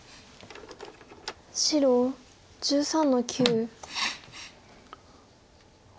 白１３の九。